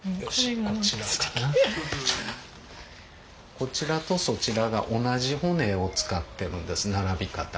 こちらとそちらが同じ骨を使ってるんです並び方。